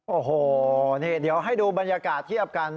โอ้โหนี่เดี๋ยวให้ดูบรรยากาศเทียบกัน